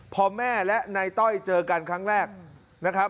พอแม่และนายต้อยเจอกันครั้งแรกนะครับ